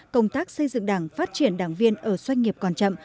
công tác xây dựng đảng phát triển đảng viên ở doanh nghiệp còn chậm